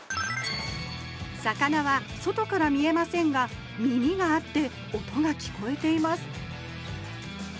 魚は外から見えませんが耳があって音が聞こえています